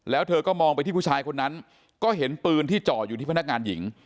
แล้วเธอก็มองไปที่ผู้ชายคนนั้นก็เห็นปืนที่จ่ออยู่ที่พนักงานหญิง